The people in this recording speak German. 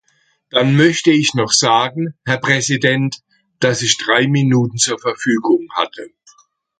Dann möchte ich noch sagen, Herr Präsident, dass ich drei Minuten zur Verfügung hatte.